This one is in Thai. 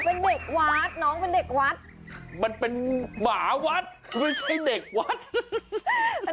เป็นเด็กวัดน้องเป็นเด็กวัดมันเป็นหมาวัดไม่ใช่เด็กวัด